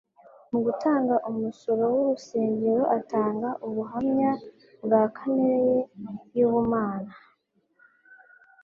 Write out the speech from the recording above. Mu gutanga umusoro w'urusengero atanga ubuhamya bwa kamere ye y'ubumana.